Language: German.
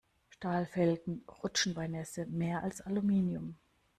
Stahlfelgen rutschen bei Nässe mehr als Aluminium.